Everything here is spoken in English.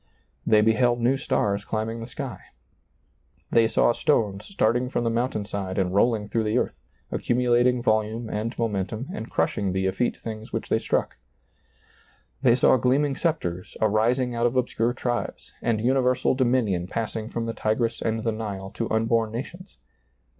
They beheld new stars climbing the sky ; they saw stones starting from the mountain side and rolling through the earth, accumulating vol ume and momentum and crushing the eflete things which they struck ; they saw gleaming scepters arising out of obscure tribes, and universal do minion passing from the Tigris and the Nile to unborn nations ; they